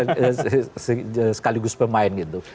wasit dan sekaligus pemain gitu